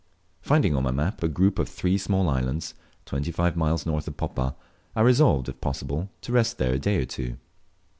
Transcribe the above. Finding on my map a group of three small islands, twenty five miles north of Poppa, I resolved, if possible, to rest there a day or two.